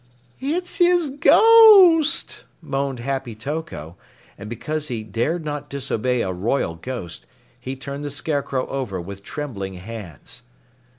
"It's his ghost," moaned Happy Toko, and because he dared not disobey a royal ghost, he turned the Scarecrow over with trembling hands.